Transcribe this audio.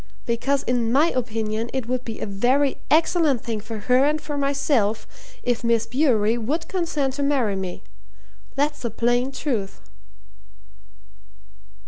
because in my opinion it would be a very excellent thing for her and for myself if Miss Bewery would consent to marry me. That's the plain truth."